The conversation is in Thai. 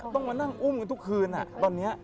ต้องมานั่งอุ้มกันทุกคืนตอนนี้